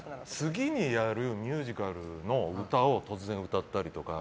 次にやるミュージカルの歌を突然、歌ったりとか。